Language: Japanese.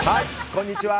こんにちは。